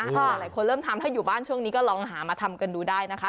หลายคนเริ่มทำถ้าอยู่บ้านช่วงนี้ก็ลองหามาทำกันดูได้นะคะ